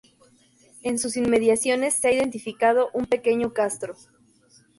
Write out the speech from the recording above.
En sus inmediaciones se ha identificado un pequeño castro.